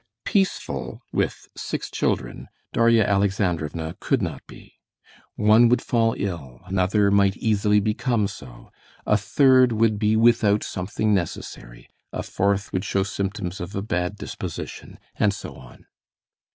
Peaceful with six children Darya Alexandrovna could not be. One would fall ill, another might easily become so, a third would be without something necessary, a fourth would show symptoms of a bad disposition, and so on.